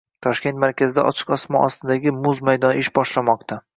Toshkent markazida ochiq osmon ostidagi muz maydoni ish boshlamoqda